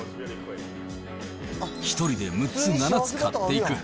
１人で６つ、７つ買っていく。